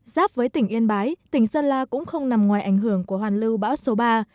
giáp với tỉnh yên bái tỉnh sơn la cũng không nằm ngoài ảnh hưởng của hoàn lưu bão số ba